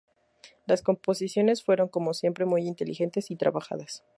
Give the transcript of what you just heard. Las composiciones fueron como siempre muy inteligentes y trabajadas.